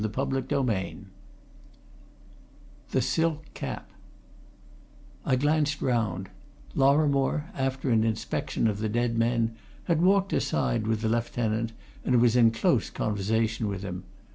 CHAPTER XXIV THE SILK CAP I glanced round; Lorrimore, after an inspection of the dead men, had walked aside with the lieutenant and was in close conversation with him.